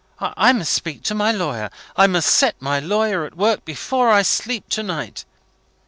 I must speak to my lawyer; I must set my lawyer at work before I sleep to night."